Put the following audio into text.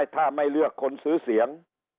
ถ้าไม่เลือกคนซื้อเสียง